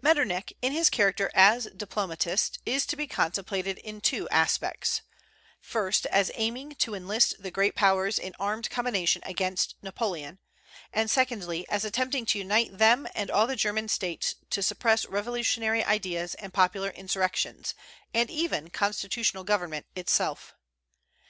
Metternich, in his character as diplomatist, is to be contemplated in two aspects: first, as aiming to enlist the great powers in armed combination against Napoleon; and secondly, as attempting to unite them and all the German States to suppress revolutionary ideas and popular insurrections, and even constitutional government itself.